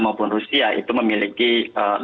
baik dari sisi rusia